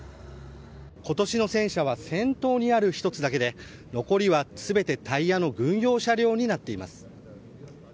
今年の戦車は先頭にある１つだけで残りは全てタイヤの軍用車両になっています。